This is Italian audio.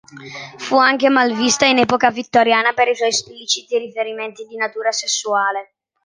Fu anche malvista in epoca Vittoriana per i suoi espliciti riferimenti di natura sessuale.